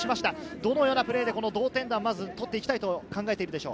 どのようなプレーで同点弾を取っていきたいと考えているでしょう？